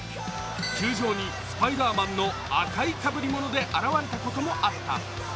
球場に「スパイダーマン」の赤いかぶり物で現れたこともあった。